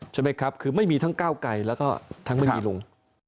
ใช่ไหมครับคือไม่มีทั้งก้าวไกลแล้วก็ทั้งไม่มีลุง